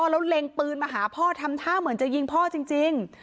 แล้วเล็งปืนมาหาพ่อทำท่าเหมือนจะยิงพ่อจริง